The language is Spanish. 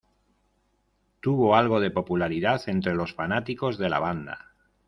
Tuvo algo de popularidad entre los fanáticos de la banda.